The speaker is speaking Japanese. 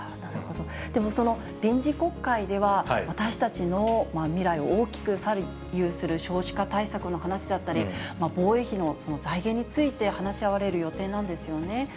でもその臨時国会では、私たちの未来を大きく左右する少子化対策の話だったり、防衛費の財源について話し合われる予定なんですよね。